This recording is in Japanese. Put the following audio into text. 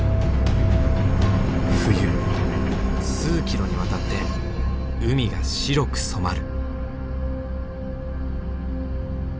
冬数キロにわたって海が白く染まる。